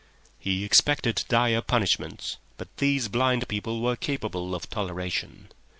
He expected dire punishments, but these blind people were capable of toleration.